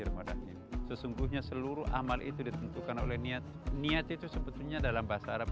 sesungguhnya seluruh amal itu ditentukan oleh niat niat itu sebetulnya dalam bahasa arab